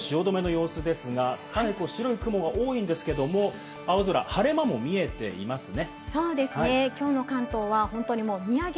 東京・汐留の様子ですが、白い雲が多いんですけれども、青空、晴れ間も見えていますね。